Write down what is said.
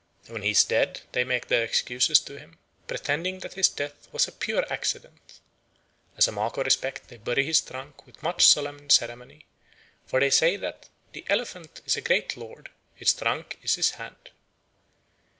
When he is dead they make their excuses to him, pretending that his death was a pure accident. As a mark of respect they bury his trunk with much solemn ceremony; for they say that "the elephant is a great lord; his trunk is his hand."